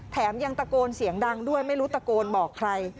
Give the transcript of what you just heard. แถมยังตะโกนเสียงดังด้วยไม่รู้ตะโกนบอกใคร